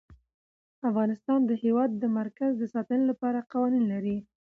افغانستان د د هېواد مرکز د ساتنې لپاره قوانین لري.